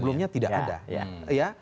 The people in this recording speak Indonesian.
sebelumnya tidak ada